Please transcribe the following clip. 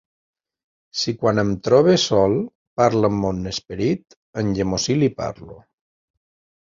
Si quan em trobe sol, parl amb mon esperit, en llemosí li parlo.